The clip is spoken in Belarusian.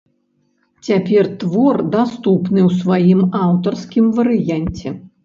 Цяпер твор даступны ў сваім аўтарскім варыянце.